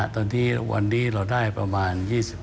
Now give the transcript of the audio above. ตอนนี้วันนี้เราได้ประมาณ๒๐